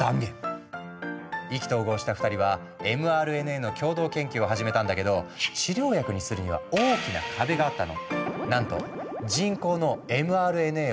意気投合した２人はｍＲＮＡの共同研究を始めたんだけど治療薬にするには大きな壁があったの。